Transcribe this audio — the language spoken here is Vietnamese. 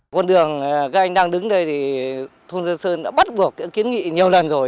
con đường các anh đang đứng đây thì thôn dân sơn đã bắt buộc kiến nghị nhiều lần rồi